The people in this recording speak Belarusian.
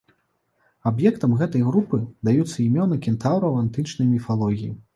Аб'ектам гэтай групы даюцца імёны кентаўраў антычнай міфалогіі.